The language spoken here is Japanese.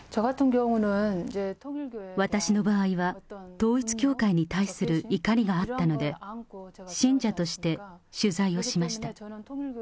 私の場合は、統一教会に対する怒りがあったので、信者として取材をしました。